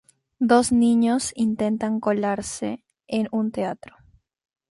Dos niños intentan colarse en un teatro.